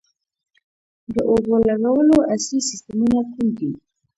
د اوبو لګولو عصري سیستمونه کوم دي؟